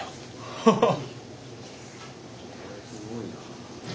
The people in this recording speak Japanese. ハハッ。